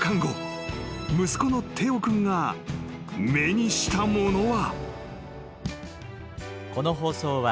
［息子のテオ君が目にしたものは］